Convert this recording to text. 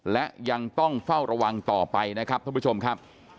และยังต้องเฝ้าระวังต่อไปนะครับท่านผู้ชมครับ